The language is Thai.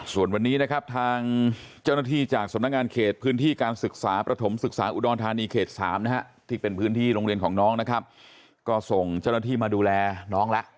ส่วนวันนี้นะครับทางเจ้าหน้าที่จากสำนักงานเขตพื้นที่การศึกษาประถมศึกษาอุดรธานีเขต๓นะฮะที่เป็นพื้นที่โรงเรียนของน้องนะครับก็ส่งเจ้าหน้าที่มาดูแลน้องแล้ว